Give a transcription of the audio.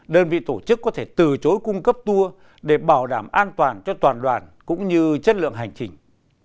đơn vị tổ chức có thể từ chối cung cấp tour để bảo đảm an toàn cho toàn đoàn cũng như chất lượng hành trình